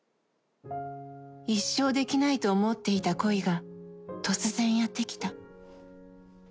一生できないと思っていた恋が突然やってきた。